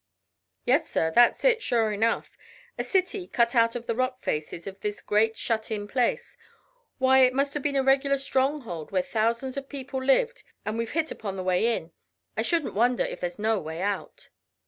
"Yes, sir, that's it, sure enough; a city cut out of the rock faces of this great shut in place. Why, it must have been a regular stronghold where thousands of people lived, and we've hit upon the way in. I shouldn't wonder if there's no way out."